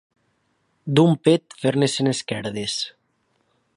D'un pet fer-ne cent esquerdes.